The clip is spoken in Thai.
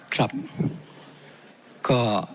ครับ